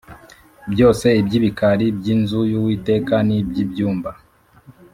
Byose iby‘ibikari by’inzu y’Uwiteka n’iby’ibyumba